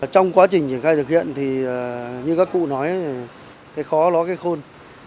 trong quá trình triển khai thực hiện thì như các cụ nói cái khó nó cái khôn